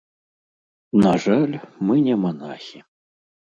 На жаль, мы не манахі.